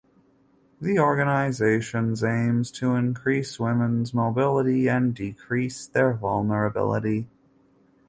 The organizations aims to increase women’s mobility and decrease their vulnerability.